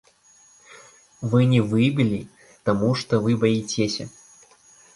Вы не выбілі, таму што вы баіцеся.